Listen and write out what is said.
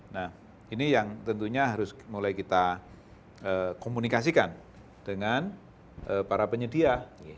nah ini yang tentunya harus mulai kita komunikasikan dengan para penyedia